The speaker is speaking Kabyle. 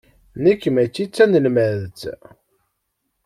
Nekk mačči d tanelmadt.